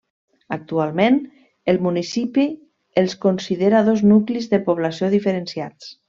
Actualment, el municipi els considera dos nuclis de població diferenciats.